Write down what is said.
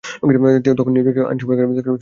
তখন New Jersey আইনসভা রাজ্যে মৃত্যুদণ্ড বাতিল করে।